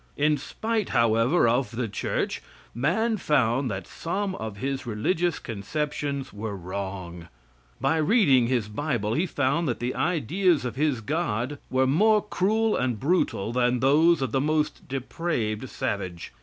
In spite, however, of the Church, man found that some of his religious conceptions were wrong. By reading his bible, he found that the ideas of his God were more cruel and brutal than those of the most depraved savage.